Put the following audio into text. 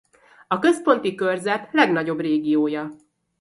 A Központi Körzet legnagyobb régiója.